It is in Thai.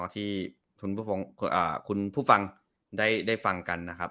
ที่คุณผู้ฟังได้ฟังกันนะครับ